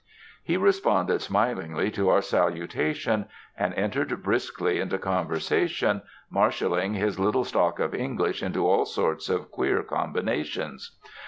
He responded smilingly to our salutation, and en tered briskly into conversation, marshalling his little stock of English into all sorts of queer combinations.